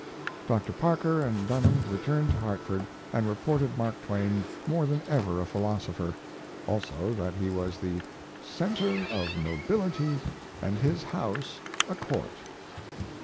Dr. Parker and Dunham returned to Hartford and reported Mark Twain more than ever a philosopher; also that he was the "center of notability and his house a court."